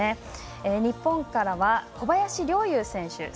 日本からは小林陵侑選手。